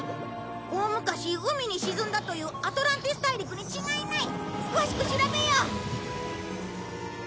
大昔海に沈んだというアトランティス大陸に違いない！詳しく調べよう！